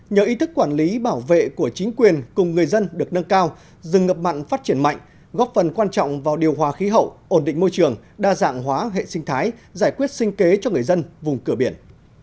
nhờ ý thức quản lý bảo vệ của chính quyền cùng người dân được nâng cao rừng ngập mặn phát triển mạnh góp phần quan trọng vào điều hòa khí hậu ổn định môi trường đa dạng hóa hệ sinh thái giải quyết sinh kế cho người dân vùng cửa biển